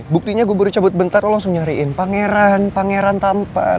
buktinya gubernur cabut bentar lo langsung nyariin pangeran pangeran tampan